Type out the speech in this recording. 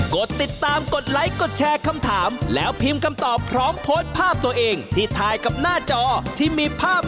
กดติดตามกดไลค์กดแชร์คำถามแล้วพิมพ์คำตอบพร้อมโพสต์ภาพตัวเองที่ถ่ายกับหน้าจอที่มีภาพ